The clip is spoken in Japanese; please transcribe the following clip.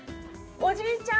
おじいちゃん